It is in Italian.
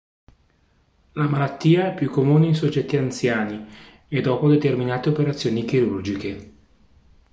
La malattia è più comune in soggetti anziani, e dopo determinate operazioni chirurgiche.